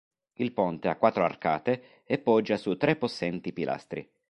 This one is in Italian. Il ponte ha quattro arcate e poggia su tre possenti pilastri.